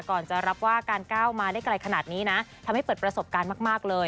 จะรับว่าการก้าวมาได้ไกลขนาดนี้นะทำให้เปิดประสบการณ์มากเลย